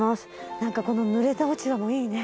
なんかこのぬれた落ち葉もいいね。